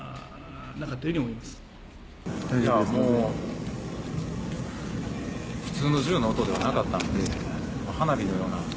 いやもう、普通の銃の音ではなかったので、花火のような。